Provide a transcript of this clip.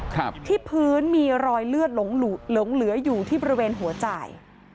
ครับที่พื้นมีรอยเลือดหลงเหลืออยู่ที่บริเวณหัวจ่าย